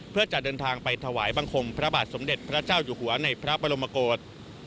เพื่อจะเดินทางไปถวายบังคมพระบาทสมเด็จพระเจ้าอยู่หัวในพระบรมกฏ